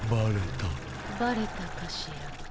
バレたかしら。